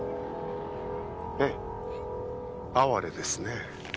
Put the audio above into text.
ええ哀れですね